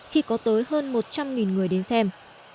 khi có tới hơn một trăm linh người đến xem